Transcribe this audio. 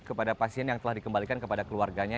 kepada pasien yang telah dikembalikan kepada keluarganya